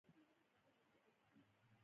د ثور انقلاب دوران کښې